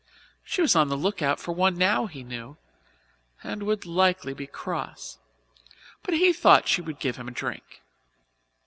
She was on the lookout for one now, he knew, and would likely be cross, but he thought she would give him a drink.